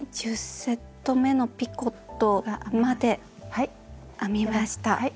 １０セットめのピコットまで編みました。